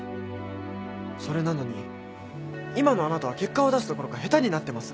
それなのに今のあなたは結果を出すどころか下手になってます。